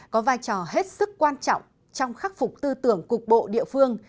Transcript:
có vai trò hết sức quan trọng trong khắc phục tư tưởng cục bộ địa phương